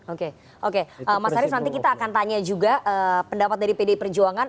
oke oke mas arief nanti kita akan tanya juga pendapat dari pdi perjuangan